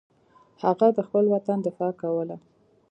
هغه د خپل وطن دفاع کوله.